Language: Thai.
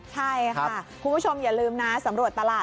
ใช่ค่ะคุณผู้ชมอย่าลืมนะสำรวจตลาด